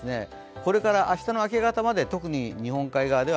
これから明日の明け方まで特に日本海側では